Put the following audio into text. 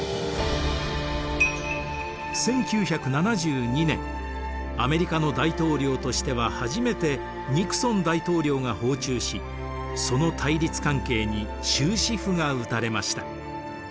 １９７２年アメリカの大統領としては初めてニクソン大統領が訪中しその対立関係に終止符が打たれました。